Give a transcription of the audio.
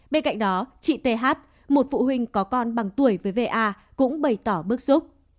bên cạnh đó chị th một phụ huynh có con bằng tuổi với va cũng bày tỏ bức xúc